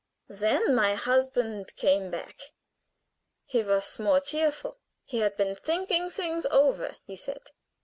Then my husband came back. He was more cheerful. He had been thinking things over, he said.